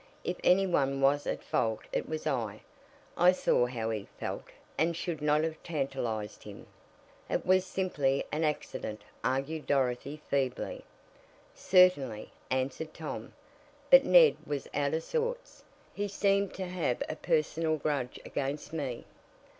If any one was at fault it was I. I saw how he felt, and should not have tantalized him." "It was simply an accident," argued Dorothy feebly. "Certainly," answered Tom; "but Ned was out of sorts. He seemed to have a personal grudge against me."